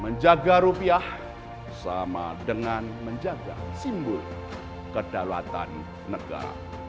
menjaga rupiah sama dengan menjaga simbol kedaulatan negara